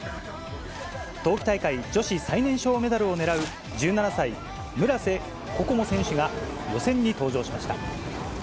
冬季大会女子最年少メダルをねらう１７歳、村瀬心椛選手が予選に登場しました。